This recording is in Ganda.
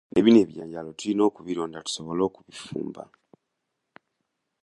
Ne bino ebijanjaalo tulina okubironda tusobole okubifumba.